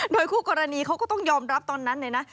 โดยคู่กรณีเขาก็ต้องยอมรับตอนนั้นเลยนะ